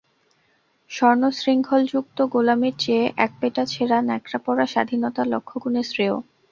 স্বর্ণশৃঙ্খলযুক্ত গোলামীর চেয়ে একপেটা ছেঁড়া ন্যাকড়া-পরা স্বাধীনতা লক্ষগুণে শ্রেয়ঃ।